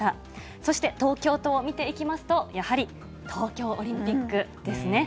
そして、東京都を見ていきますと、やはり東京オリンピックですね。